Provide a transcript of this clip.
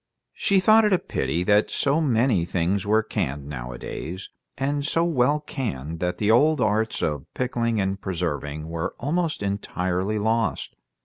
She thought it a pity that so many things were canned, nowadays, and so well canned that the old arts of pickling and preserving were almost entirely lost.